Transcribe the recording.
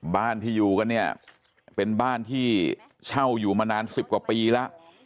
บ้านที่อยู่กันเนี่ยเป็นบ้านที่เช่าอยู่มานาน๑๐กว่าปีแล้ว